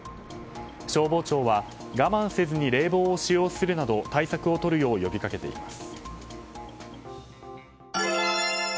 消防庁は我慢せずに冷房を使用するなど対策をとるよう呼びかけています。